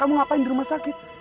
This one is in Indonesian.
kamu ngapain di rumah sakit